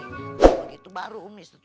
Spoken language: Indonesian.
kalau begitu baru umi setuju